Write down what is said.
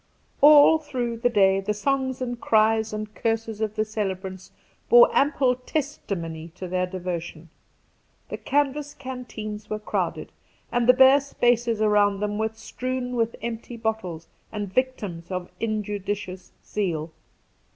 All through the day the songs and cries and curses of the celebrants bore ample testimony to their de votion. The canvas canteens were crowded, and the bare spaces around them were strewn with empty bottles and victims of injudicious zeal.